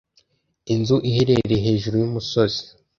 Inzu iherereye hejuru yumusozi.